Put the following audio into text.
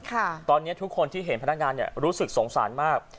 ตอนนี้ทุกคนที่เห็นพนักงานเนี่ยรู้สึกสงสารมาก